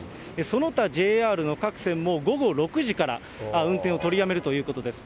その他、ＪＲ各線も午後６時から運転を取りやめるということです。